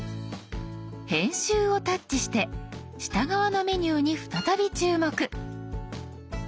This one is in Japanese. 「編集」をタッチして下側のメニューに再び注目。